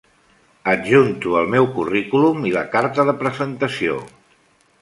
Adjunto el meu currículum i la carta de presentació.